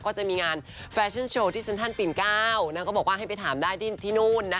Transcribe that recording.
ก็จะมีงานแฟชั่นโชว์ที่เซ็นทันปิ่น๙นางก็บอกว่าให้ไปถามได้ที่นู่น